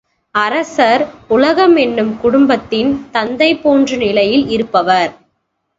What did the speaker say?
அரசர் உலகமென்னும் குடும்பத்தின் தந்தை போன்ற நிலையில் இருப்பவர்.